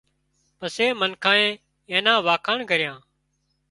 پسي منکانئي اين نا وکاڻ ڪريان